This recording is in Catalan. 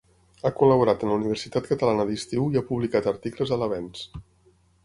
Ha col·laborat en la Universitat Catalana d'Estiu i ha publicat articles a l'Avenç.